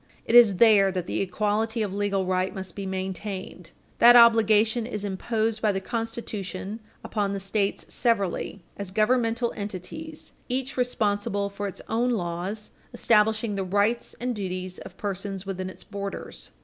It is there that the equality of legal right must be maintained. That obligation is imposed by the Constitution upon the States severally as governmental entities each responsible for its own laws establishing the rights and duties of persons within its borders.